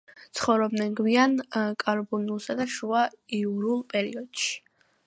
ცხოვრობდნენ გვიან კარბონულსა და შუა იურულ პერიოდში.